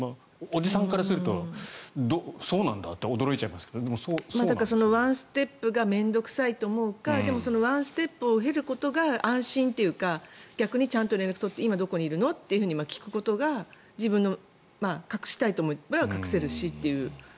おじさんからするとそうなんだって驚いちゃうんですがそのワンステップが面倒臭いと思うかでも、そのワンステップを経ることが安心っていうか逆にちゃんと連絡を取って今、どこにいるの？と聞くことが隠したい場合は隠せるしという。